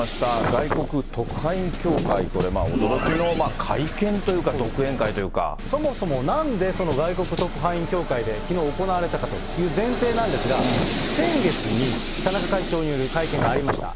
外国特派員協会、これまあ、驚きの会見というか、そもそもなんで、その外国特派員協会できのう行われたかという前提なんですが、先月に、田中会長による会見がありました。